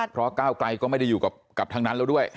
เพราะก้าวไกลก็ไม่ได้อยู่กับทางนั้นแล้วด้วย